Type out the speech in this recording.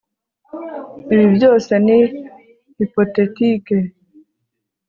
Ibi byose ni hypothettike